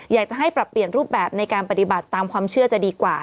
อยากจะให้ปรับเปลี่ยนรูปแบบในการปฏิบัติตามความเชื่อจะดีกว่า